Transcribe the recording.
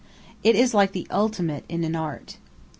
It is like the ultimate in an art.